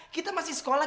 kita masih sekolah